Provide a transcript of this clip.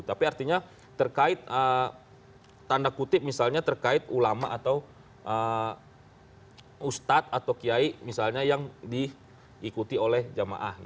tapi artinya terkait tanda kutip misalnya terkait ulama atau ustadz atau kiai misalnya yang diikuti oleh jamaah